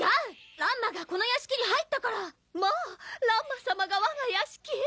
乱馬がこの屋敷に入ったからまあ乱馬様が我が屋敷へ？